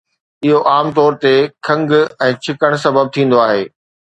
اهو عام طور تي کنگهه ۽ ڇڪڻ سبب ٿيندو آهي